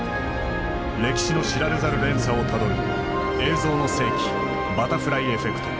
歴史の知られざる連鎖をたどる「映像の世紀バタフライエフェクト」。